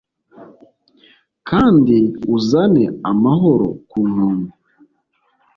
Kandi uzane amahoro ku nkombe